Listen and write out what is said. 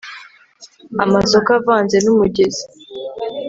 amasoko avanze n'umugezi